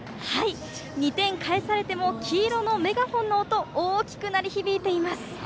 ２点返されても黄色のメガホンの音が大きく鳴り響いています。